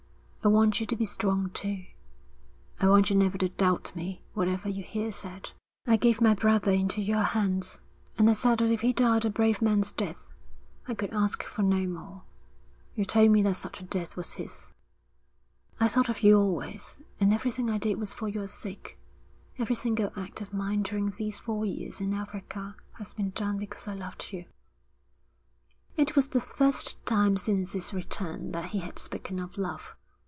I want you to be strong, too. I want you never to doubt me whatever you hear said.' 'I gave my brother into your hands, and I said that if he died a brave man's death, I could ask for no more. You told me that such a death was his.' 'I thought of you always, and everything I did was for your sake. Every single act of mine during these four years in Africa has been done because I loved you.' It was the first time since his return that he had spoken of love.